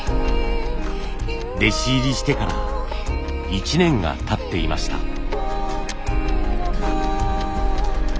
弟子入りしてから１年がたっていました。